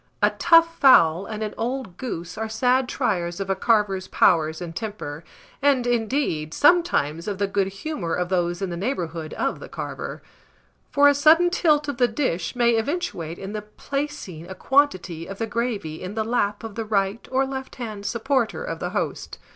A tough fowl and an old goose are sad triers of a carver's powers and temper, and, indeed, sometimes of the good humour of those in the neighbourhood of the carver; for a sudden tilt of the dish may eventuate in the placing a quantity of the gravy in the lap of the right or left hand supporter of the host.